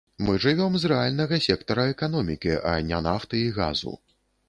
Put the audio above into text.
Мы жывём з рэальнага сектара эканомікі, а не нафты і газу.